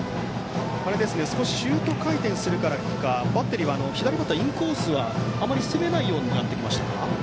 少しシュート回転するからかバッテリーは左バッター、インコースはあまり攻めないようになってきましたか。